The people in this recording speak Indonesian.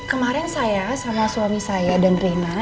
kemaren saya sama suami saya dan reina